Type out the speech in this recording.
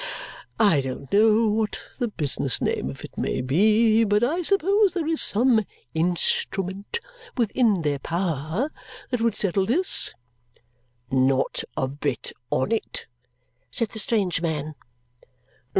I don't know what the business name of it may be, but I suppose there is some instrument within their power that would settle this?" "Not a bit on it," said the strange man.